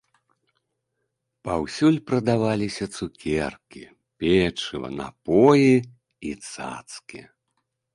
Паўсюль прадаваліся цукеркі, печыва, напоі і цацкі.